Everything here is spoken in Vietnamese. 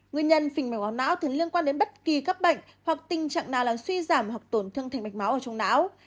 nguyên nhân phình mèo não thường liên quan đến bất kỳ các bệnh hoặc tình trạng nào là suy giảm hoặc tổn thương thành mạch máu ở trong não